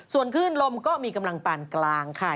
ส่วนคลื่นลมก็มีกำลังปานกลางค่ะ